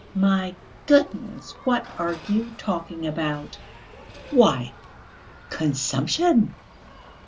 "My goodness, what are you talking about?" "Why, consumption!